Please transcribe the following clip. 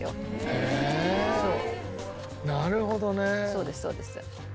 そうですそうです。